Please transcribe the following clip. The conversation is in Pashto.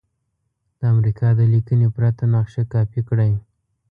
د امریکا د لیکنې پرته نقشه کاپې کړئ.